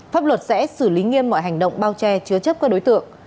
pháp luật sẽ xử lý nghiêm mọi hành động bao che chứa chấp các đối tượng